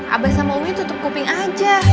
abah sama umi tutup kuping aja